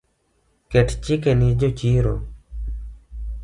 Ket chike ne jochiro